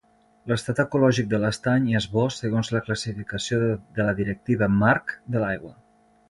L'estat ecològic de l'estany és bo, segons la classificació de la directiva marc de l'aigua.